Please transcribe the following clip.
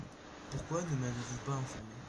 Pourquoi ne m’avez-vous pas informé ?